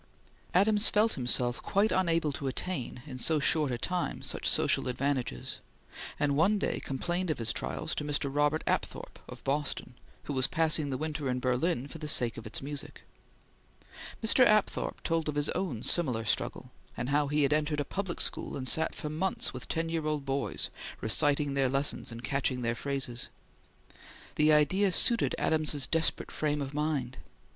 Adams felt himself quite unable to attain in so short a time such social advantages, and one day complained of his trials to Mr. Robert Apthorp, of Boston, who was passing the winter in Berlin for the sake of its music. Mr. Apthorp told of his own similar struggle, and how he had entered a public school and sat for months with ten year old boys, reciting their lessons and catching their phrases. The idea suited Adams's desperate frame of mind.